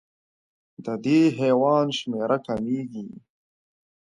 د دې حیوان شمېره کمېږي.